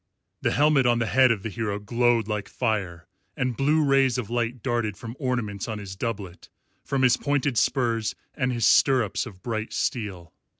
The helmet on the head of the hero glowed like fire, and blue rays of light darted from ornaments on his doublet, from his pointed spurs and his stirrups of bright steel.